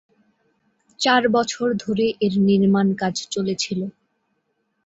চার বছর ধরে এর নির্মাণ কাজ চলেছিল।